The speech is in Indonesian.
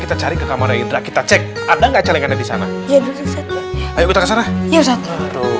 kita cari ke kamarnya indra kita cek ada nggak celenganya di sana ya ayo kita ke sana ya ustaz